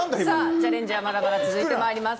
チャレンジはまだまだ続いてまいります。